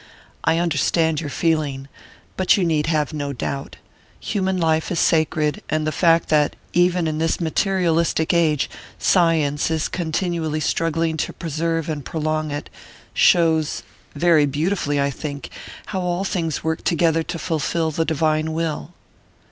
"I understand your feeling but you need have no doubt. Human life is sacred, and the fact that, even in this materialistic age, science is continually struggling to preserve and prolong it, shows very beautifully, I think how all things work together to fulfill the divine will."